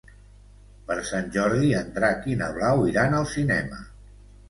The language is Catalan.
Per Sant Jordi en Drac i na Blau iran al cinema.